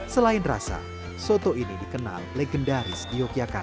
selain rasa soto ini dikenal legendaris di yogyakarta